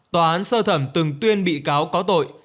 tòa án sơ thẩm từng tuyên bị cáo có tội